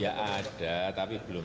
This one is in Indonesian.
ya ada tapi belum